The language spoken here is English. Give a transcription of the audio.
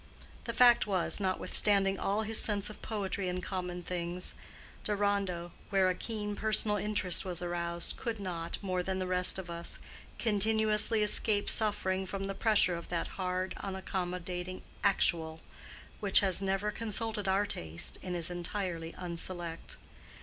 The fact was, notwithstanding all his sense of poetry in common things, Deronda, where a keen personal interest was aroused, could not, more than the rest of us, continuously escape suffering from the pressure of that hard unaccommodating Actual, which has never consulted our taste and is entirely unselect.